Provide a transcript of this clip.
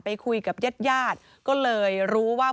ไปคุยกับเย็ดก็เลยรู้ว่า